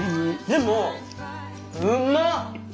でもうまっ！